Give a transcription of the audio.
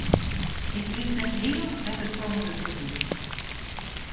Ik wist net heal wêr't it frommes it oer hie.